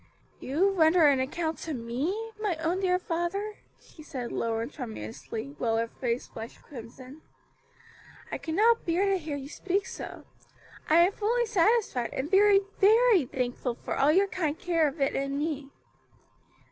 "You render an account to me, my own dear father," she said low and tremulously, while her face flushed crimson; "I cannot bear to hear you speak so. I am fully satisfied, and very, very thankful for all your kind care of it and of me."